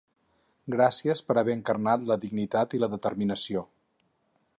Gràcies per haver encarnat la dignitat i la determinació.